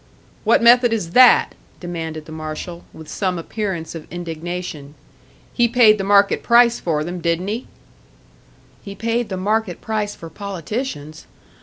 "What method is that?" demanded the marshal, with some appearance of indignation. "He paid the market price for them, didn't he?" "He paid the market price for politicians.